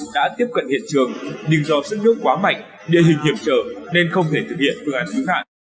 đã tiếp cận hiện trường nhưng do sức nước quá mạnh địa hình hiểm trở nên không thể thực hiện phương án cứu nạn